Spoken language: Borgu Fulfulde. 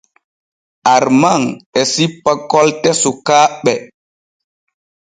Arman e sippa kolte sukaaɓe.